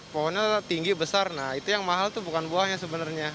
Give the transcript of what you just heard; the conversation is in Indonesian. pohonnya tinggi besar nah itu yang mahal tuh bukan buahnya sebenarnya